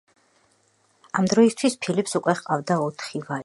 ამ დროისათვის ფილიპს უკვე ჰყავდა ოთხი ვაჟი.